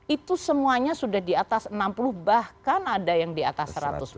itu semuanya sudah di atas enam puluh bahkan ada yang di atas seratus